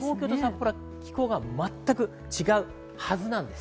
気候が全く違うはずなんです。